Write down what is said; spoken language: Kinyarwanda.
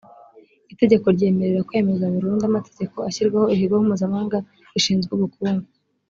itegeko ryemerera kwemeza burundu amategeko ashyiraho ikigo mpuzamahanga gishinzwe ubukungu